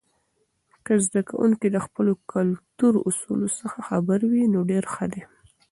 که زده کوونکي د خپلو کلتور اصولو څخه خبر وي، نو ډیر ښه دی.